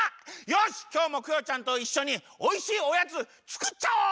よしきょうもクヨちゃんといっしょにおいしいおやつつくっちゃおう！